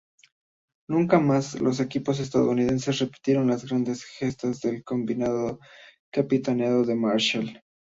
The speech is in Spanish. Nunca más los equipos estadounidenses repitieron las grandes gestas del combinado capitaneado por Marshall.